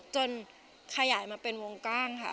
ขยายมาเป็นวงกว้างค่ะ